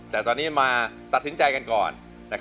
แต่ตอนนี้มาตัดสินใจกันก่อน